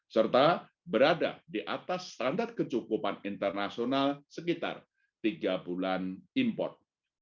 serta berada di atas standar kecukupan internasional sekitar tiga bulan import